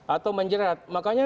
atau menjerat makanya